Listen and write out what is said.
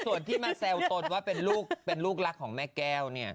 ส่วนที่มาแซวตนว่าเป็นลูกรักของแม่แก้ว